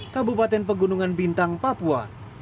kabupaten pegunungan bintang papua